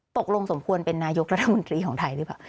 ตกลงสมควรเป็นนายกรัฐมนตรีของไทยหรือเปล่า